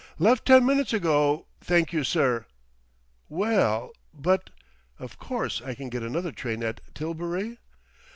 "Left ten minutes ago, thank you, sir." "Wel l, but...! Of course I can get another train at Tilbury?"